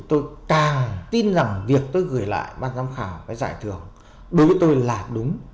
tôi càng tin rằng việc tôi gửi lại ban giám khảo cái giải thưởng đối với tôi là đúng